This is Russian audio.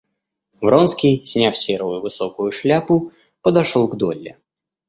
Вронский, сняв серую высокую шляпу, подошел к Долли.